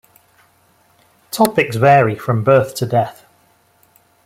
Topics vary from birth to death.